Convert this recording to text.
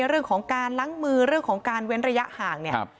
เรื่องของการล้างมือเรื่องของการเว้นระยะห่างเนี่ย